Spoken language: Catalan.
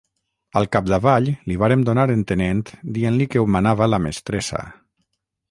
Al capdavall li vàrem donar entenent dient-li que ho manava la mestressa.